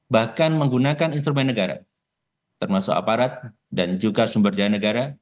bahkan menggunakan instrumen negara termasuk aparat dan juga sumber daya negara